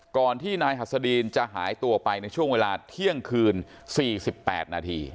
ก่อนที่นายหัสดีนจะหายตัวไปในช่วงเวลาเที่ยงคืน๔๘นาที